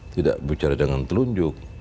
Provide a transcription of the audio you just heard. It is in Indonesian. tidak bicara dengan telunjuk